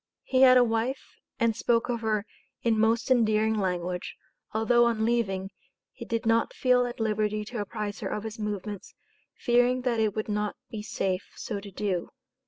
He had a wife, and spoke of her in most endearing language, although, on leaving, he did not feel at liberty to apprise her of his movements, "fearing that it would not be safe so to do."